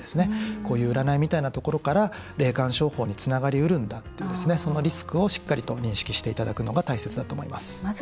こういう占いみたいなところから霊感商法につながりうるんだっていう、そのリスクをしっかりと認識していただくのが大切だと思います。